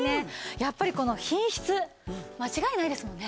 やっぱりこの品質間違いないですもんね。